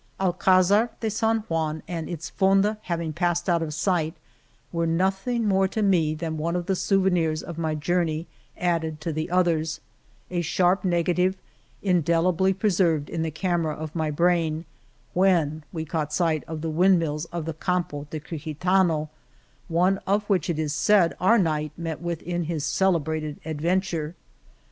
Alc&zar de San Juan and its fonda hav ing passed out of sight were nothing more to me than one of the souvenirs of my jour ney added to the others — a sharp negative, indelibly preserved in the camera of my brain — when we caught sight of the wind mills of the Campo de Crijitano, one of which, it is said, our knight met with in his celebrated adventure.